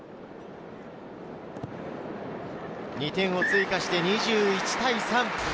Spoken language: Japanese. ２点を追加して２１対３。